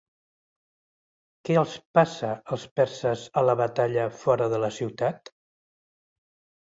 Què els passa als perses a la batalla fora de la ciutat?